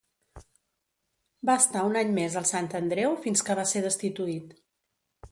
Va estar un any més al Sant Andreu, fins que va ser destituït.